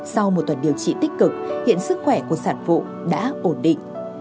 sau một tuần điều trị tích cực hiện sức khỏe của sản phụ đã ổn định